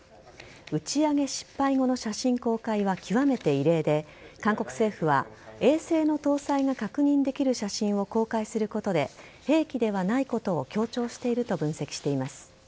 打ち上げ失敗後の写真公開は極めて異例で韓国政府は衛星の搭載が確認できる写真を公開することで兵器ではないことを強調していると分析しています。